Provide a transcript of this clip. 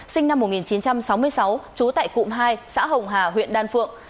sinh năm một nghìn chín trăm sáu mươi sáu trú tại cụm hai xã hồng hà huyện đan phượng